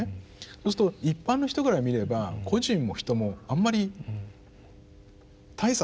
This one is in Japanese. そうすると一般の人から見れば「個人」も「人」もあまり大差ないじゃないかと。